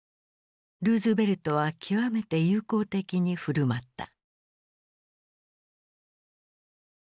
ルーズベルトは極めて友好的に振る舞った。